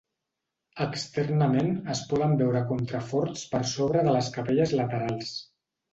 Externament es poden veure contraforts per sobre de les capelles laterals.